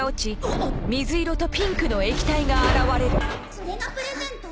それがプレゼント？